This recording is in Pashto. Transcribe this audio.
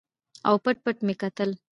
او پټ پټ مې کتل.